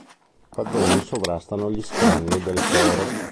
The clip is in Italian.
Quadroni sovrastano gli scranni del coro.